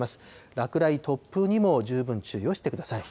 落雷、突風にも十分注意をしてください。